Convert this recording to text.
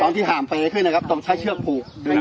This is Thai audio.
ตอนที่หามเป้ขึ้นนะครับต้องใช้เชือกผูก